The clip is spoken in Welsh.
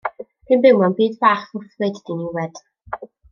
Dwi'n byw mewn byd bach fflwfflyd diniwed.